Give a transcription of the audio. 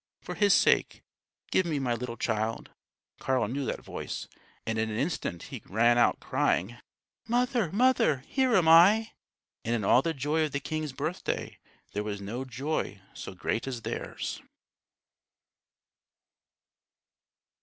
For His sake, give me my little child!" Carl knew that voice, and in an instant he ran out crying: "Mother! mother! here am I!" And in all the joy of the king's birth day, there was no joy so great as theirs.